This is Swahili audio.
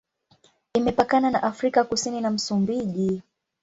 Imepakana na Afrika Kusini na Msumbiji.